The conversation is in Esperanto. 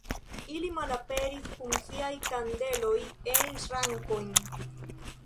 Ili malaperis kun siaj kandeloj en ŝrankojn.